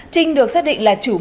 trinh được xác định là chủ mưu